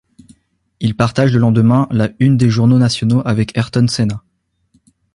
Il partage le lendemain la Une des journaux nationaux avec Ayrton Senna.